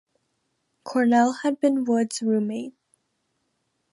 Cornell had been Wood's roommate.